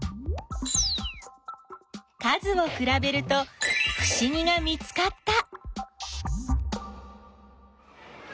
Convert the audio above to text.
数をくらべるとふしぎが見つかった！